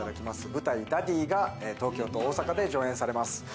舞台『ダディ』が東京と大阪で上演されます。